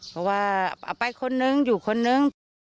เพราะว่าเอาไปคนนึงอยู่คนนึง